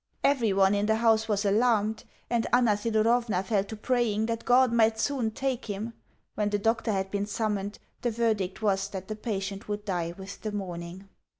Everyone in the house was alarmed, and Anna Thedorovna fell to praying that God might soon take him. When the doctor had been summoned, the verdict was that the patient would die with the morning.